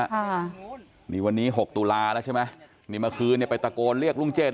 ค่ะนี่วันนี้หกตุลาแล้วใช่ไหมนี่เมื่อคืนเนี่ยไปตะโกนเรียกลุงเจน